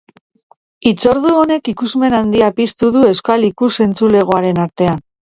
Hitzordu honek ikusmin handia piztu du euskal ikus-entzulegoaren artean.